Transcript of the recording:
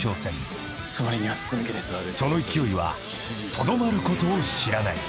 ［その勢いはとどまることを知らない］